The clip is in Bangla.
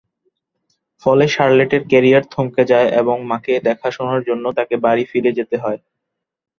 ফলে শার্লেটের ক্যারিয়ার থমকে যায় এবং মাকে দেখাশোনার জন্য তাকে বাড়ি ফিরে যেতে হয়।